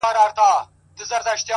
وځم له كوره له اولاده شپې نه كوم،